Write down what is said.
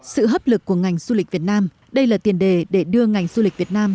sự hấp lực của ngành du lịch việt nam đây là tiền đề để đưa ngành du lịch việt nam